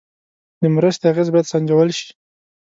د مرستې اغېز باید سنجول شي.